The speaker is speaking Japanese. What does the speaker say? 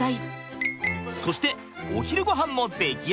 そしてお昼ごはんも出来上がりました！